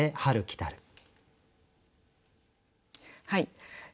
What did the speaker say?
はい。